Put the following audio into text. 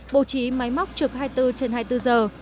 bố trí máy móc trực hai mươi bốn trên hai mươi bốn giờ